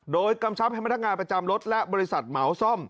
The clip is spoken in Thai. ด้วยกำชำภัยมาธงาประจำรถและบริษัทเหงาซ่อม